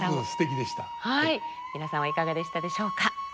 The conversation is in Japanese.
皆さんはいかがでしたでしょうか。